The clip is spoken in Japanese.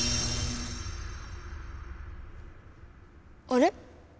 あれ？